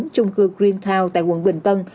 trung cư green town tại quận bình tân